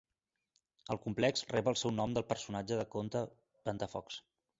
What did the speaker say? El complex rep el seu nom del personatge de conte Ventafocs.